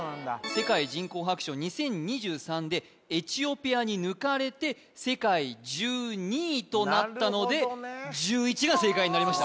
「世界人口白書２０２３」でエチオピアに抜かれて世界１２位となったので１１が正解になりました